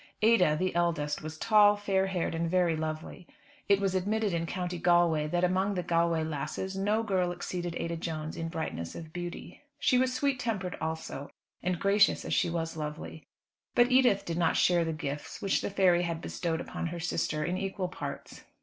Ada, the eldest, was tall, fair haired, and very lovely. It was admitted in County Galway that among the Galway lasses no girl exceeded Ada Jones in brightness of beauty. She was sweet tempered also, and gracious as she was lovely. But Edith did not share the gifts, which the fairy had bestowed upon her sister, in equal parts.